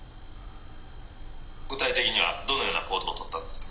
「具体的にはどのような行動をとったんですか？」。